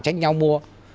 tránh nhau mua